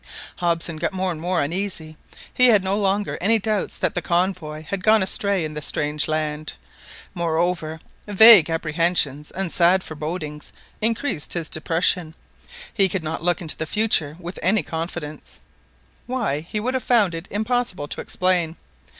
Hobson got more and more uneasy. He had no longer any doubt that the convoy had gone astray in the strange land; moreover, vague apprehensions and sad forebodings increased his depression. He could not look into the future with any confidence—why, he would have found it impossible to explain.